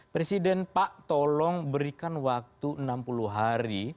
presiden pak tolong berikan waktu enam puluh hari